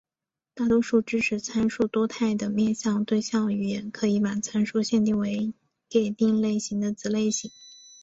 大多数支持参数多态的面向对象语言可以把参数限定为给定类型的子类型。